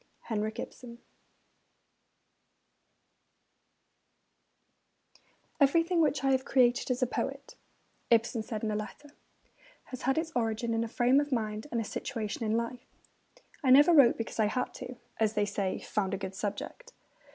HENRIK IBSEN 'Everything which I have created as a poet,' Ibsen said in a letter, 'has had its origin in a frame of mind and a situation in life; I never wrote because I had, as they say, found a good subject.'